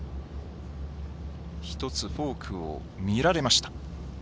１つフォークを見られました。